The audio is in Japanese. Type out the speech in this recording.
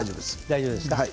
大丈夫ですか？